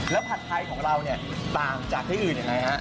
แล้วผัดไทยของเราเนี่ยต่างจากที่อื่นยังไงฮะ